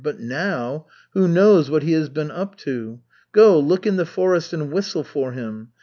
But now who knows what he has been up to? Go, look in the forest and whistle for him.